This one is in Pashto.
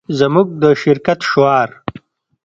زموږ د شرکت شعار